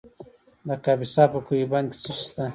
د کاپیسا په کوه بند کې څه شی شته؟